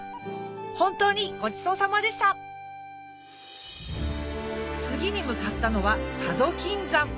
本当にごちそうさまでした次に向かったのは佐渡金山